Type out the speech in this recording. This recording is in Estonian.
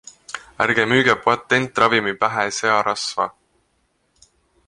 ärge müüge patentravimi pähe searasva!